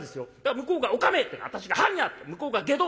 向こうが『おかめ！』って私が『般若！』って向こうが『外道！』」。